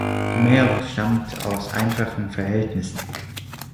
Mayr stammte aus einfachen Verhältnissen.